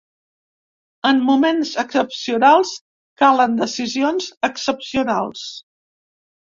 En moments excepcionals, calen decisions excepcionals.